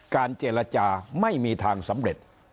เจรจาไม่มีทางสำเร็จ